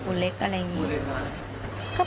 ประตู๓ครับ